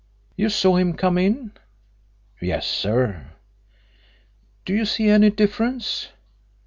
"You saw him come in?" "Yes, sir." "Do you see any difference?"